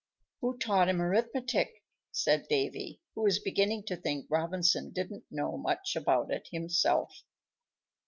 "Who taught him arithmetic?" said Davy, who was beginning to think Robinson didn't know much about it himself.